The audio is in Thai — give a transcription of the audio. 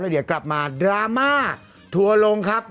เดี๋ยวกลับมาดราม่าทัวร์ลงครับ